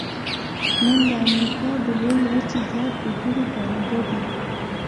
نن د امریکا د لویې وچې زیات وګړي دوه رګه دي.